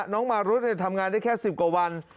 น้องมารุดทำงานได้แค่๑๐กว่าวัน